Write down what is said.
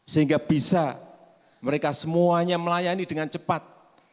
sehingga bisa mereka semuanya melayani dengan cepat